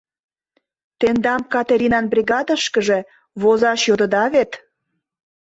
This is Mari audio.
Тендам Катеринан бригадышкыже возаш йодыда вет?